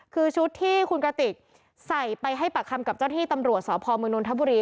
คือชุดที่คุณกระติกใส่ไปให้ปากคำกับเจ้าที่ตำรวจสพมนนทบุรี